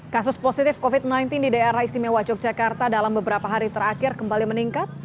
kasus positif covid sembilan belas di daerah istimewa yogyakarta dalam beberapa hari terakhir kembali meningkat